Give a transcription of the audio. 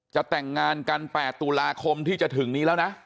จะแต่งงานกัน๘ตุลาคมที่จะถึงนี้แล้วนะ